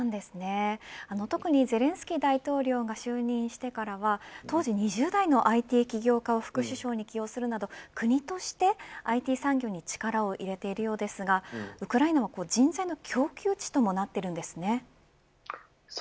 特にゼレンスキー大統領が就任してからは当時２０代のＩＴ起業家を副首相に起用するなど国としてＩＴ産業に力を入れているようですがウクライナが人材の供給地となっているんですね。